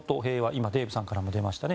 今、デーブさんからも出ました。